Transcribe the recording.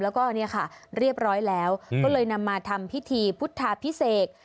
แล้วก็เนี่ยค่ะเรียบร้อยแล้วก็เลยนำมาทำพิธีพุทธาพิเศษ